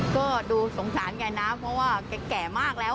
ก็ดูสงสารแกนะเพราะว่าแกแก่มากแล้ว